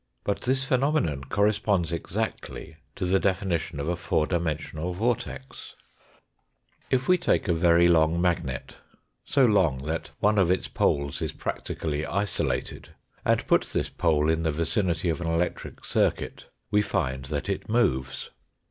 But this phenomenon corresponds exactly to the definition of a four dimensional vortex. RECAPITULATION AND EXTENSION 229 If we take a very long magnet, so long that one of its poles is practically isolated, and pat this pole in the vicinity of an electric circuit, we find that it moves.